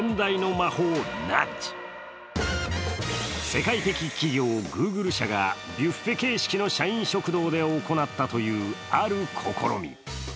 世界的企業、グーグル社がビュッフェ形式の社員食堂で行ったというある試み。